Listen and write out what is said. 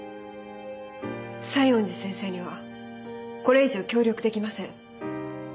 西園寺先生にはこれ以上協力できません。